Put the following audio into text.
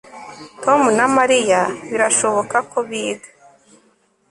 Tom na Mariya birashoboka ko biga